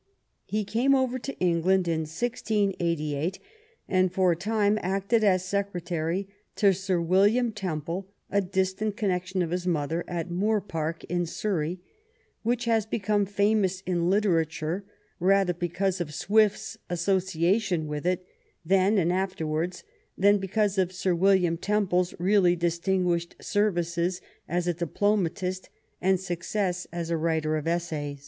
He came over to England in 1688, and for a time acted as secretary to Sir William Temple, a distant con nection of his mother, at Moor Park, in Surrey, which has become famous in literature rather because of Swift's association with it then and afterwards than be cause of Sir William Temple's really distinguished ser vices as a diplomatist and success as a writer of essays.